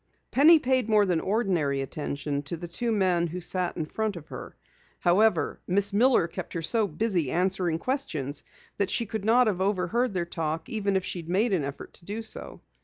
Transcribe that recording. Penny paid more than ordinary attention to the two men who sat in front of her. However, Miss Miller kept her so busy answering questions that she could not have overheard their talk, even if she had made an effort to do so.